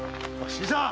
新さん！